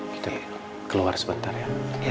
kita keluar sebentar ya